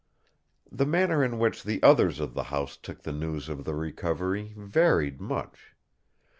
The manner in which the others of the house took the news of the recovery varied much.